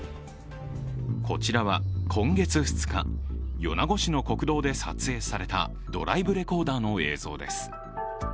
こちらは今月２日、米子市の国道で撮影されたドライブレコーダーの映像です。